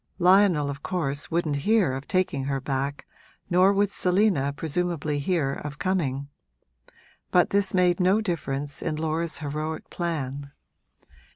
Lionel, of course, wouldn't hear of taking her back, nor would Selina presumably hear of coming; but this made no difference in Laura's heroic plan.